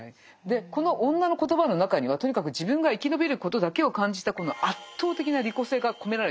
でこの女の言葉の中にはとにかく自分が生き延びることだけを感じたこの圧倒的な利己性が込められてるわけですよね。